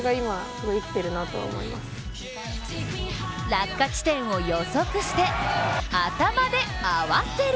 落下地点を予測して、頭で合わせる！